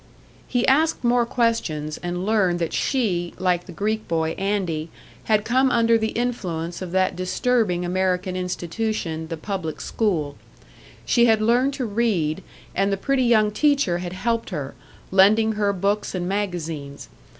He asked more questions, and learned that she, like the Greek boy, "Andy," had come under the influence of that disturbing American institution, the public school; she had learned to read, and the pretty young teacher had helped her, lending her books and magazines.